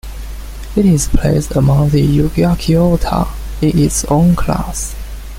It is placed among the Euryarchaeota, in its own class.